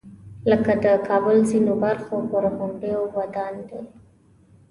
لکه د کابل ځینو برخو پر غونډیو ودان دی.